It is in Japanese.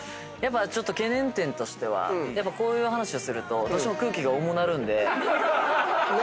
ちょっと懸念点としてはこういう話をするとどうしても空気が重なるんで。